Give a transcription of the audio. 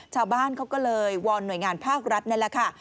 ชาวบ้านเขาก็เลยวอนหน่วยงานภาครัฐนั่นแหละค่ะ